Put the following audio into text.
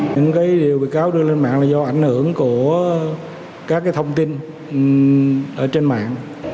những điều bị cáo đưa lên mạng là do ảnh hưởng của các thông tin ở trên mạng